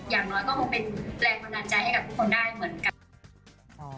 อย่างน้อยก็คงเป็นแรงบันดาลใจให้กับทุกคนได้เหมือนกัน